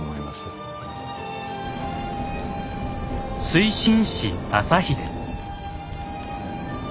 水心子正秀。